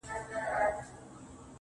پاچا صاحبه خالي سوئ، له جلاله یې.